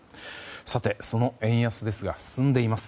さて、その円安ですが進んでいます。